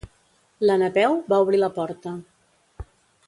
La Napeu va obrir la porta.